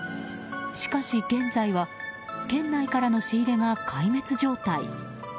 しかし現在は県内からの仕入れが壊滅状態。